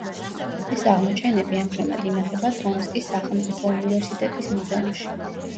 ეს აღმოჩენები ამჟამად ინახება ტომსკის სახელმწიფო უნივერსიტეტის მუზეუმში.